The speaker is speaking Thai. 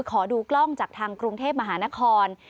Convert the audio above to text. ขอดูกล้องจากทางกรุงเทพมหานคร